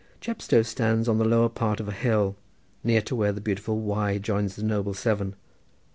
Chepstow stands on the lower part of a hill, near to where the beautiful Wye joins the noble Severn.